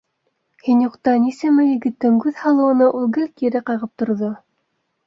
Һин юҡта нисәмә егеттең күҙ һалыуына ул гел кире ҡағып торҙо.